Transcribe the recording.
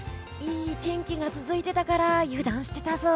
いい天気が続いていたから油断してたぞ。